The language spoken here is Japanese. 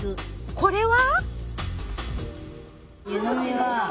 これは？